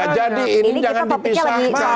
jadi ini jangan dipisahkan